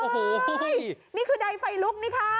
โอ้โหนี่คือใดไฟลุกนี่ค่ะ